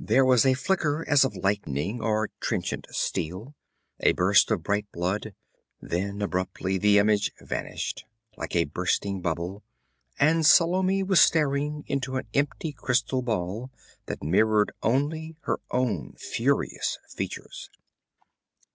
There was a flicker as of lightning, or trenchant steel, a burst of bright blood then abruptly the image vanished, like a bursting bubble, and Salome was staring into an empty crystal ball that mirrored only her own furious features.